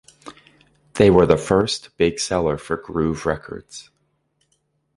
They were the first big seller for Groove Records.